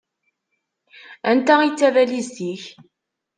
Anta i d tabalizt-ik?